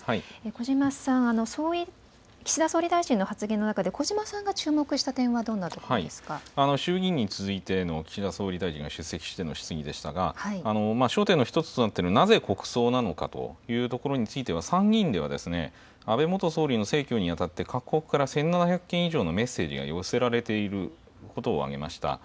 小嶋さん、岸田総理大臣の発言の中で、小嶋さんが注目した点はど衆議院に続いての、岸田総理大臣が出席しての質疑でしたが、焦点の一つとなっている、なぜ国葬なのかというところについては、参議院では安倍元総理の逝去にあたって、各国から１７００件以上のメッセージが寄せられていることを挙げました。